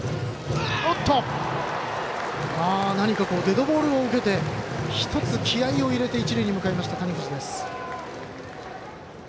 何かデッドボールを受けて１つ気合いを入れて一塁に向かった谷藤です。